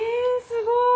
すごい！